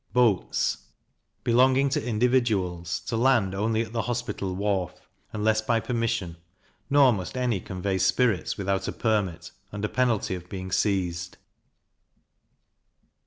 Boats belonging to individuals, to land only at the Hospital wharf, unless by permission; nor must any convey spirits without a permit, under penalty of being seized.